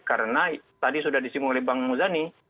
karena tadi sudah disimulir bang muzani